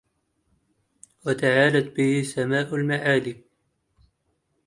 وتعالتْ به سماءُ المعالي